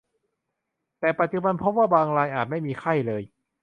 แต่ปัจจุบันพบว่าบางรายอาจไม่มีไข้เลย